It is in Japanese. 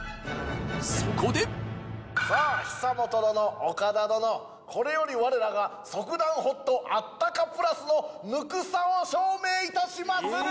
そこで久本殿岡田殿これより我らが速暖Ｈｏｔあったかプラスの温さを証明いたしまする！